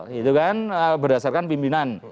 gitu kan berdasarkan pimpinan